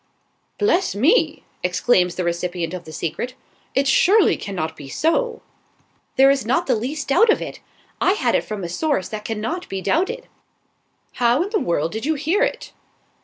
"Bless me!" exclaims the recipient of the secret. "It surely cannot be so!" "There is not the least doubt of it. I had it from a source that cannot be doubted." "How in the world did you hear it?"